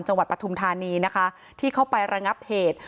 จังหวัดปทุมธานีที่เข้าไประงับเหตุ